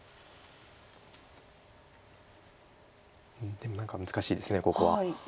でも何か難しいですここは。